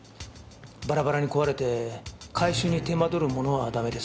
バラバラに壊れて回収に手間取る物は駄目です。